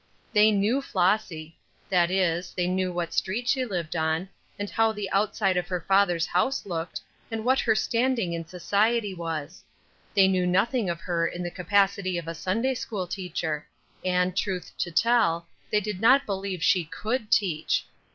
They knew Flossy that is, they knew what street she lived on, and how the outside of her father's house looked, and what her standing in society was; they knew nothing of her in the capacity of a Sunday school teacher; and, truth to tell, they did not believe she could teach.